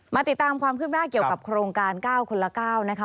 ติดตามความคืบหน้าเกี่ยวกับโครงการ๙คนละ๙นะคะ